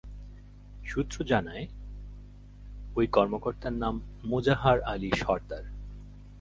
সূত্র জানায়, ওই কর্মকর্তার নাম মোজাহার আলী সরদার।